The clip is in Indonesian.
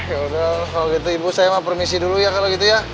ya udah kalau gitu ibu saya mau permisi dulu ya kalau gitu ya